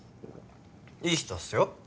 いい人っすよ